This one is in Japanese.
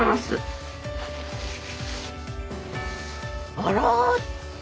あら！